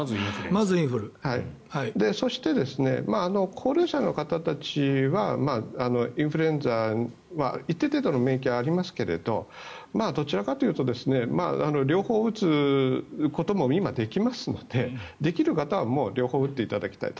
そして、高齢者の方たちはインフルエンザは一定程度の免疫はありますがどちらかというと両方打つことも今、できますので、できる方は両方打っていただきたい。